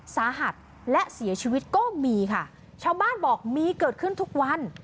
สาหัสและเสียชีวิตก็มีค่ะชาวบ้านบอกมีเกิดขึ้นทุกวัน